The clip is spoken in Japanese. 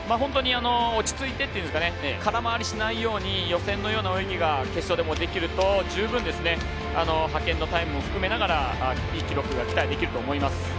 落ち着いてといいますか空回りしないように予選のような泳ぎが決勝でもできると十分、派遣タイムも含めていい記録が期待できると思います。